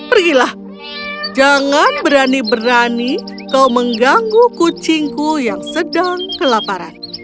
pergilah jangan berani berani kau mengganggu kucingku yang sedang kelaparan